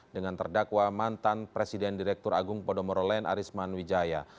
dengan terdakwa mantan presiden direktur agung podomoro len arisman wijaya